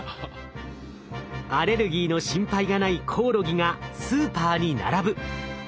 アレルギーの心配がないコオロギがスーパーに並ぶ。